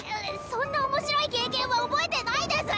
そんな面白い経験は覚えてないです